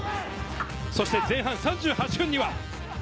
そして前半３８分には。